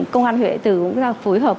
công an huyện đại tư cũng đã phối hợp